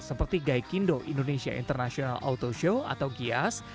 seperti gaikindo indonesia international auto show atau gias